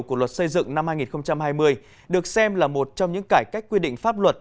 của luật xây dựng năm hai nghìn hai mươi được xem là một trong những cải cách quy định pháp luật